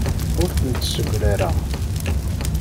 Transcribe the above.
Ur tent-ssegrareɣ.